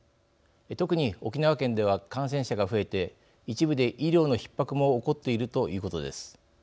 特に沖縄県では感染者が増えて一部で医療のひっ迫も起こっているということです。